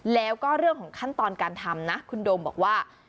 แล้วก็เรื่องของขั้นตอนการทำนะคุณโดมบอกว่า